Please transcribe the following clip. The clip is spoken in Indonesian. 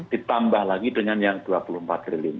ditambah lagi dengan yang dua puluh empat triliun